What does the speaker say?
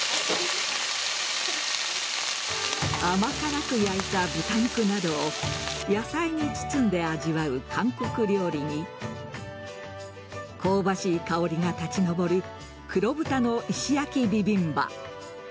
甘辛く焼いた豚肉などを野菜に包んで味わう韓国料理に香ばしい香りが立ち上る黒豚の石焼ビビンバ。